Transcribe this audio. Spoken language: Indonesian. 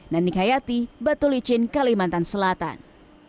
nani kayati batu licin kalimantan selatan